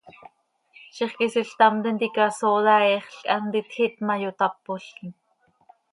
Zixquisiil ctam tintica sooda eexl quih hant itjiit ma, yotápolquim.